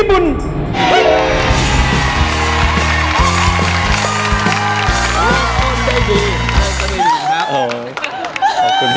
ขอบคุณพี่จ้ามากมาท่าต่อไปนะฮะ